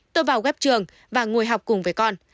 tôi vào ghép trường và ngồi học cùng với con